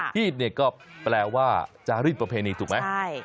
หี้ดเนี่ยก็แปลว่าจาริตประเภณีถูกไหมใช่